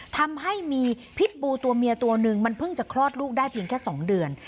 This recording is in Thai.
ทำให้มีพิษบูตัวเมียตัวหนึ่งมันเพิ่งจะคลอดลูกได้เพียงแค่๒เดือน